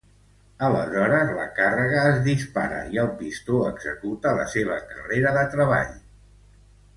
Aleshores, la càrrega es dispara i el pistó executa la seva carrera de treball.